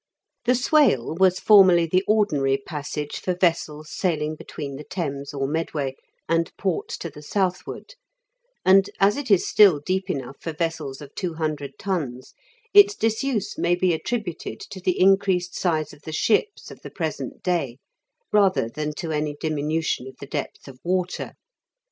The Swale was formerly the ordinary passage for vessels sailing between the Thames or Medway and ports to the southward, and, as it is still deep enough for vessels of two hundred tons, its disuse may be attributed to the increased size of the ships of the present day, rather than to any diminution of the depth of water.